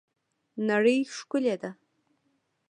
نړۍ ښکلې ده